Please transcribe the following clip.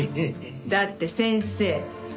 だって先生